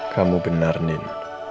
kamu benar nin